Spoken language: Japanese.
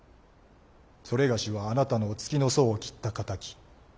それがしはあなたのお付きの僧を斬った仇。